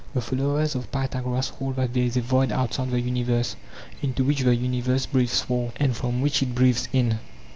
The followers of Pythagoras hold that there is a void outside the universe into which the universe breathes forth, and from which it breathes in.